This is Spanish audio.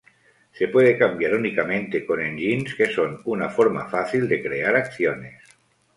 Se puede cambiar únicamente con engines que son una forma fácil de crear acciones.